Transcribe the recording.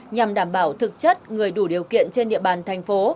nhằm đảm bảo thực chất người đủ điều kiện trên địa bàn thành phố